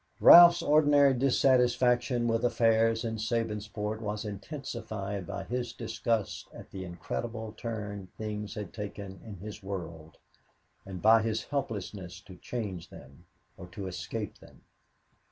Ralph's ordinary dissatisfaction with affairs in Sabinsport was intensified by his disgust at the incredible turn things had taken in his world and by his helplessness to change them or to escape them.